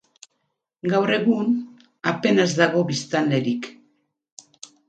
Gaur egun, apenas dago biztanlerik.